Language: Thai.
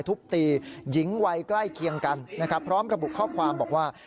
ทุบตีหญิงวัยใกล้เคียงกันนะครับพร้อมระบุข้อความบอกว่า